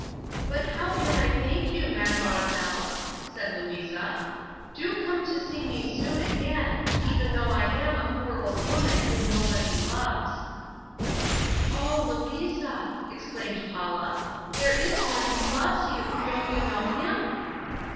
"How can I thank you, mademoiselle?" said Louisa. "Do come to see me soon again, even though I am a poor old woman who nobody loves." "Oh, Louisa," exclaimed Paula, "there is One who loves you: don't you know Him?"